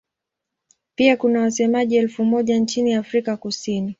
Pia kuna wasemaji elfu moja nchini Afrika Kusini.